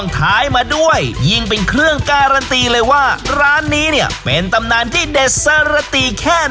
ท้ายมาด้วยยิ่งเป็นเครื่องการันตีเลยว่าร้านนี้เนี่ยเป็นตำนานที่เด็ดสรติแค่ไหน